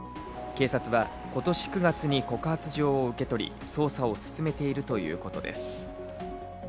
警察は今年９月に告発状を受け取り捜査を進めているということです。